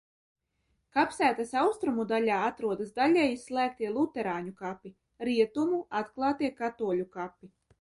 Kapsētas austrumu daļā atrodas daļēji slēgtie luterāņu kapi, rietumu – atklātie katoļu kapi.